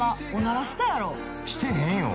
「してへんよ」